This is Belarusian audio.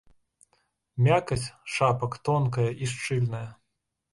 Мякаць шапак тонкая і шчыльная.